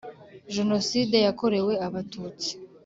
jenoside yakorewe abatutsi,